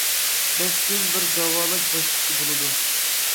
بەش كۈن بىر داۋالاش باسقۇچى بولىدۇ.